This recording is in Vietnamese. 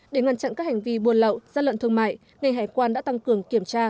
để ngăn chặn các hành vi buôn lậu gian lận thương mại ngành hải quan đã tăng cường kiểm tra